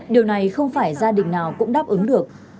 điều này không phải gia đình nào cũng đáp ứng được